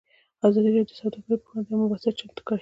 ازادي راډیو د سوداګري پر وړاندې یوه مباحثه چمتو کړې.